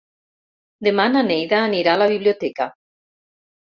Demà na Neida anirà a la biblioteca.